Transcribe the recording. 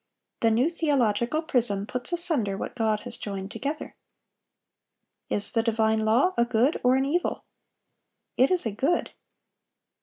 The new theological prism puts asunder what God has joined together. Is the divine law a good or an evil? It is a good.